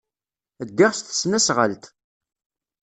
Ddiɣ s tesnasɣalt.